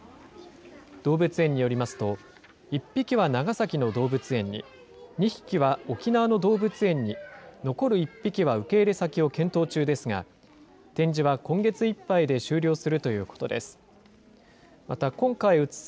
動物園によりますと、１匹は長崎の動物園に、２匹は沖縄の動物園に、残る１匹は受け入れ先を検討中ですが、展示は今月いっぱいで終了するということです。